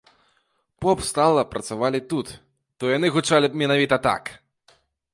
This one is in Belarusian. Поп стала працавалі тут, то яны гучалі б менавіта так!